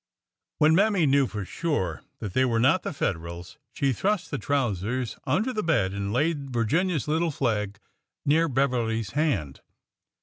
When Mammy knew for sure '' that they were not the Federals, she thrust the trousers under the bed and laid Virginia's little flag near Beverly's hand.